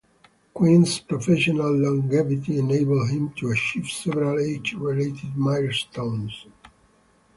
Quinn's professional longevity enabled him to achieve several age-related milestones.